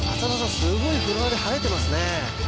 すごいフロアで映えてますね